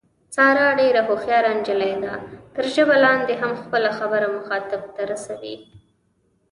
ساره ډېره هوښیاره نجیلۍ ده، تر ژبه لاندې هم خپله خبره مخاطب ته رسوي.